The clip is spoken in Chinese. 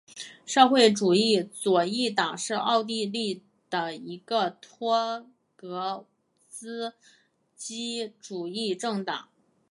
社会主义左翼党是奥地利的一个托洛茨基主义政党。